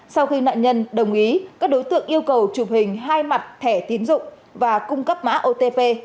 sau khi nạn nhân đồng ý các đối tượng yêu cầu chụp hình hai mặt thẻ tín dụng và cung cấp mã otp